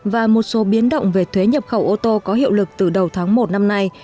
và một số biến động về thuế nhập khẩu ô tô có hiệu lực từ đầu tháng một năm nay